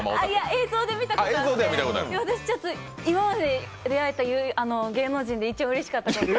映像では見たことあって、私、今まで会えた芸能人で一番うれしかったです。